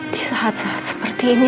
disahat sahat seperti ini